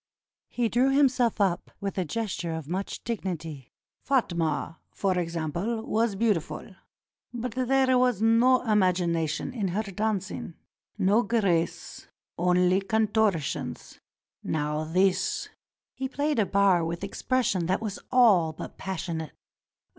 He drew himself up with a gesture of much dignity. "Fatma, for example, was beautiful; but there was no imagination in her danc ing, no grace — only contortions. Now this —" He played a bar with expression that was all but passion ate.